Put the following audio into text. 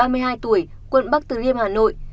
anh mạnh ba mươi hai tuổi quận bắc từ liêm hà nội